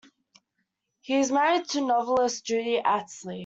He is married to novelist Judy Astley.